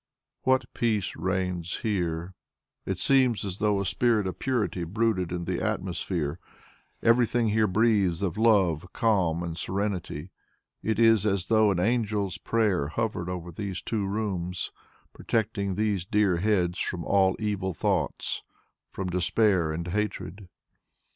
What peace reigns here! It seems as though a spirit of purity brooded in the atmosphere. Everything here breathes of love, calm and serenity. It is as though an angel's prayer hovered over these two rooms, protecting these dear heads from all evil thoughts, from despair and hatred.